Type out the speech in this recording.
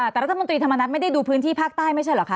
แต่รัฐมนตรีธรรมนัฐไม่ได้ดูพื้นที่ภาคใต้ไม่ใช่เหรอคะ